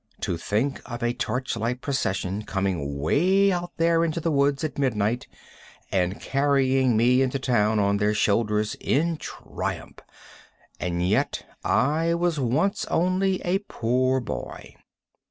To think of a torchlight procession coming way out there into the woods at midnight, and carrying me into town on their shoulders in triumph! And yet I was once only a poor boy!